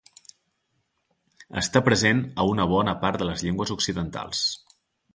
Està present a una bona part de les llengües occidentals.